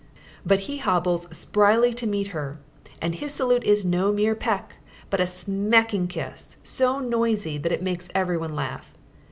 But he hobbles sprily to meet her, and his salute is no mere peck, but a smacking kiss, so noisy that it makes everyone laugh.